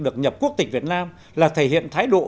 được nhập quốc tịch việt nam là thể hiện thái độ